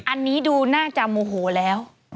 อันนี้ดูน่าจะโมโหแล้ว